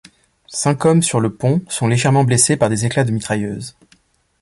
Cinq hommes sur le pont sont légèrement blessés par des éclats de mitrailleuse.